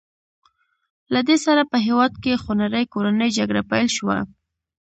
له دې سره په هېواد کې خونړۍ کورنۍ جګړه پیل شوه.